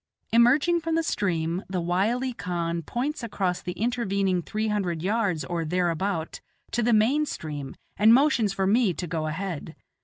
Emerging from the stream, the wily khan points across the intervening three hundred yards or thereabout to the main stream, and motions for me to go ahead.